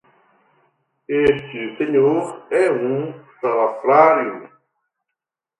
Este senhor é um salafrário!